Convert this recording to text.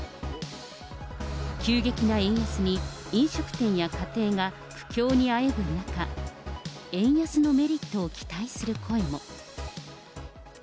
急激な円安に飲食店や家庭が苦境にあえぐ中、円安のメリットを期待する声も。